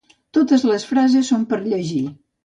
Totes les frases són per llegir.